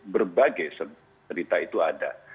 berbagai cerita itu ada